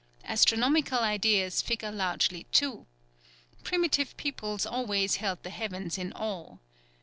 Astronomical ideas figure largely too. Primitive peoples always held the heavens in awe.